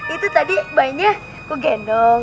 itu tadi bayinya kugendong